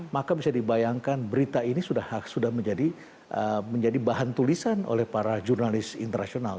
maka bisa dibayangkan berita ini sudah menjadi bahan tulisan oleh para jurnalis internasional